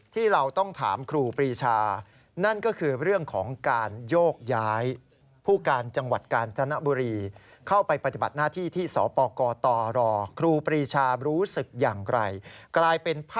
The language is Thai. ที่เราต้องถามครูปริชานั่นก็คือ